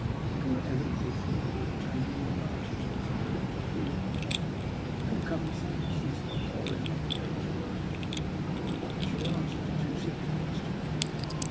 Nikola evidently thought he had obtained an advantage, and was quick to improve on it. Come, come," he said, " what is the use of our quarrelling like a pair of children ? All I want of you is an answer to two simple questions."